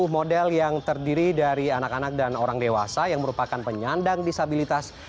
tiga puluh model yang terdiri dari anak anak dan orang dewasa yang merupakan penyandang disabilitas